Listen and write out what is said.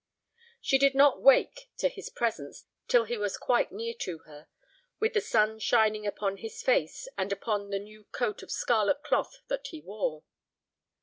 She did not wake to his presence till he was quite near to her, with the sun shining upon his face, and upon the new coat of scarlet cloth that he wore.